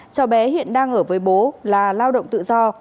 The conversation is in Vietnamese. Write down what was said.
cháu bé hiện đang ở với bố là lao động tự do